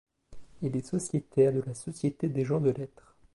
Il est sociétaire de la Société des gens de lettres.